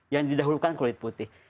yang didahulukan kulit putih